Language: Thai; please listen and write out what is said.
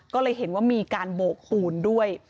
ก็เลยเห็นว่ามีการโบกปูนด้วย